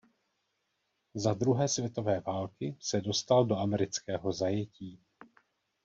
Za druhé světové války se dostal do amerického zajetí.